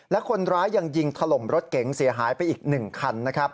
และคนร้ายยังยิงถล่มรถเก๋งเสียหายไปอีก๑คันนะครับ